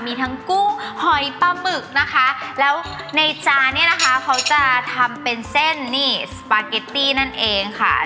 มีทั้งกุ้งหอยปลาหมึกนะคะแล้วในจานเนี่ยนะคะเขาจะทำเป็นเส้นนี่สปาเกตตี้นั่นเองค่ะ